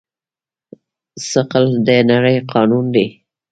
ثقل د نړۍ قانون دی.